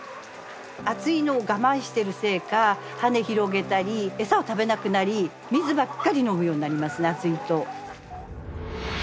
暑いのを我慢してるせいか羽広げたり餌を食べなくなり水ばっかり飲むようになりますね暑いと。